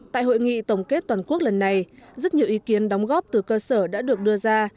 tại hội nghị tổng kết toàn quốc lần này rất nhiều ý kiến đóng góp từ cơ sở đã được đưa ra